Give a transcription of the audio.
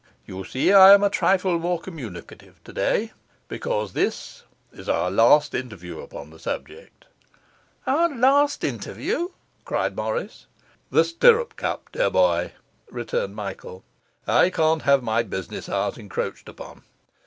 You see I am a trifle more communicative today, because this is our last interview upon the subject.' 'Our last interview!' cried Morris. 'The stirrup cup, dear boy,' returned Michael. 'I can't have my business hours encroached upon.